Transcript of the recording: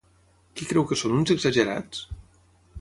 Qui creu que són uns exagerats?